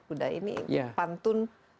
budaya ini pantun